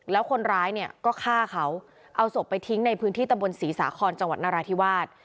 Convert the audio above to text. แล้วคนร้ายเนี่ยก็ฆ่าเขาเอาศพไปทิ้งในพื้นที่ตะบนศรีสาคอนจังหวัดนราธิวาส